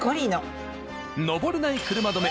［登れない車止め］